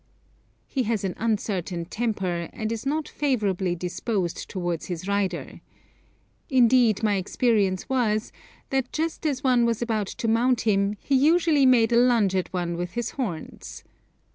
He has an uncertain temper, and is not favourably disposed towards his rider. Indeed, my experience was that just as one was about to mount him he usually made a lunge at one with his horns.